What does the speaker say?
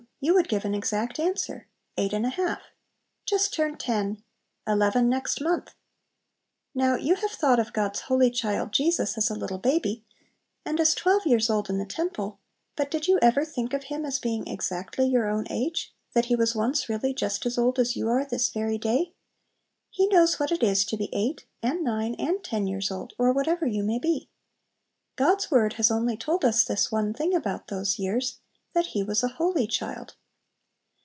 you would give an exact answer. "Eight and a half;" "Just turned ten;" "Eleven next month." Now you have thought of God's "holy child Jesus" as a little baby, and as twelve years old in the temple, but did you ever think of Him as being exactly your own age? that He was once really just as old as you are this very day? He knows what it is to be eight, and nine, and ten years old, or whatever you may be. God's word has only told us this one thing about those years, that He was a holy child.